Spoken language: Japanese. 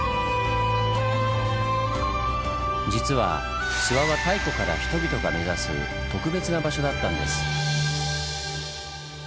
実は諏訪は太古から人々が目指す特別な場所だったんです。